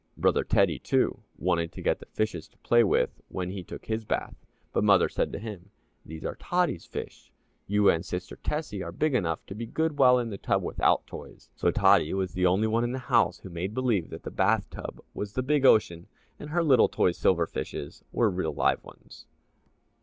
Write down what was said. Brother Teddy, too, wanted to get the fishes to play with when he took his bath, but Mother said to him, "These are Tottie's fish. You and sister Tessie are big enough to be good while in the tub without toys," so Tottie was the only one in the house who made believe that the bathtub was the big ocean and her little toy silver fishes real live ones!